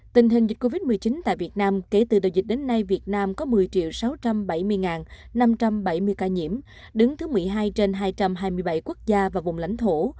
tình hình dịch covid một mươi chín tại việt nam kể từ đầu dịch đến nay việt nam có một mươi sáu trăm bảy mươi năm trăm bảy mươi ca nhiễm đứng thứ một mươi hai trên hai trăm hai mươi bảy quốc gia và vùng lãnh thổ